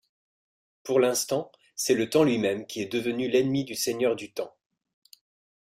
Pour l'instant, c'est le Temps lui-même qui est devenu l'ennemi du Seigneur du Temps.